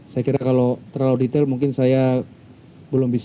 saya kira kalau terlalu detail mungkin saya belum bisa